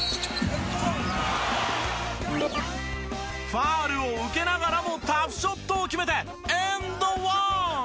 ファウルを受けながらもタフショットを決めてアンドワン！